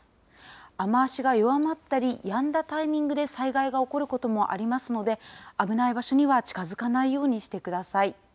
雨足が弱まったり、やんだタイミングで、災害が起こることもありますので、危ない場所には、近づかないようにしてください。